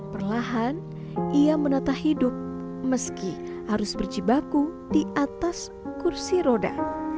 perlahan ia menata hidup meski harus berjibaku di atas kursi roda